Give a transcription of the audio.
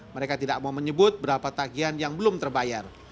mereka tidak mau menyebut berapa tagian yang belum terbayar